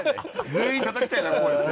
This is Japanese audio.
全員たたきたいなこうやって。